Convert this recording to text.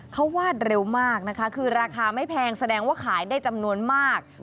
เขาวาดเร็วมากนะคะคือราคาไม่แพงแสดงว่าขายได้จำนวนมาก